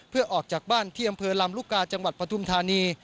เพื่อออกจากบ้านที่อำเภอลำลูกกาจังหวัดปฐุมธานี